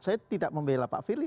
saya tidak membela pak firly